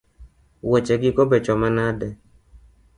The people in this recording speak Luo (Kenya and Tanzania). Woche gi go becho manade